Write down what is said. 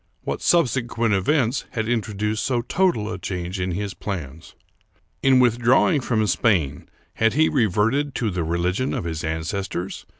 What subsequent events had introduced so total a change in his plans ? In withdrawing from Spain, had he reverted to the religion of his ancestors